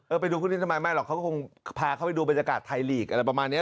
ไปดูคู่นี้ทำไมไม่หรอกเขาก็คงพาเขาไปดูบรรยากาศไทยลีกอะไรประมาณนี้